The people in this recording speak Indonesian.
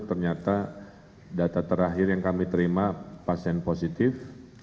ternyata data terakhir yang kami terima pasien positif